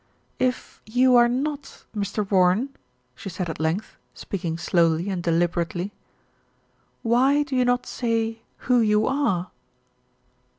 "If you are not Mr. Warren," she said at length, speaking slowly and deliberately, "why do you not say who you are?"